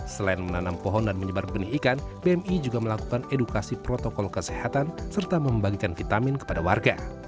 selain menanam pohon dan menyebar benih ikan bmi juga melakukan edukasi protokol kesehatan serta membagikan vitamin kepada warga